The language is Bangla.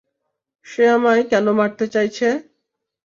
সে আমায় কেন মারতে চাইছে?